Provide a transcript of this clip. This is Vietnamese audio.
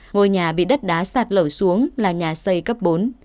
ngôi nhà bị đất đá sạt lở xuống là nhà xây cấp bốn